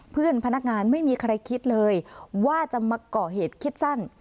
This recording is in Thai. เพื่อนพนักงานไม่มีใครคิดเลยว่าจะมาก่อเหตุคิดสั้น